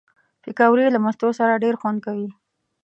پکورې له مستو سره ډېر خوند کوي